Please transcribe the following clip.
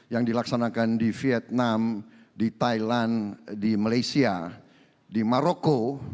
yang dilaksanakan di vietnam di thailand di malaysia di maroko